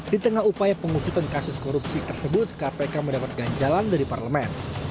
di tengah upaya pengusutan kasus korupsi tersebut kpk mendapatkan jalan dari parlemen